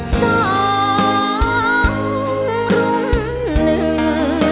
สองรุ่มหนึ่ง